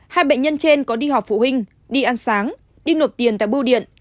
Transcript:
hai bệnh nhân trên có đi học phụ huynh đi ăn sáng đi nộp tiền tại bưu điện